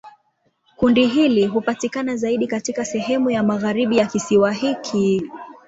Kundi hili hupatikana zaidi katika sehemu ya magharibi ya kisiwa hiki.